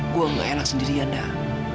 gue nggak enak sendirian ntar